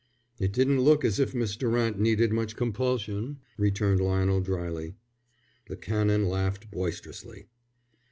"It didn't look as if Miss Durant needed much compulsion," returned Lionel, dryly. The Canon laughed boisterously.